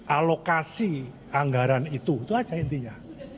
alokasi anggaran itu itu aja intinya